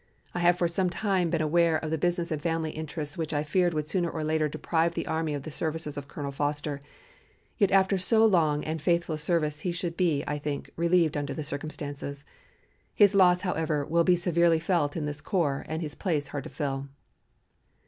I have for some time been aware of the business and family interests which I feared would sooner or later deprive the army of the services of Colonel Foster, yet after so long and faithful service he should be, I think, relieved under the circumstances. His loss, however, will be severely felt in this corps and his place hard to fill."